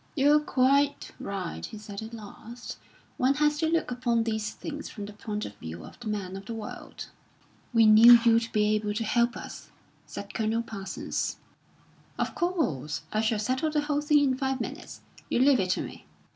"You're quite right," he said at last; "one has to look upon these things from the point of view of the man of the world." "We knew you'd be able to help us," said Colonel Parsons. "Of course! I shall settle the whole thing in five minutes. You leave it to me."